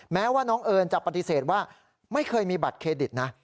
แม้ว่าน้องเอิญจะปฏิเสธว่าไม่เคยมีบัตรเครดิตนะ